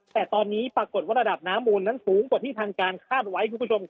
แต่ตอนนี้ปรากฏว่าระดับน้ำมูลนั้นสูงกว่าที่ทางการคาดไว้คุณผู้ชม